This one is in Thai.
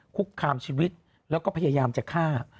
คุกคามชีวิตแล้วก็พยายามจะฆ่า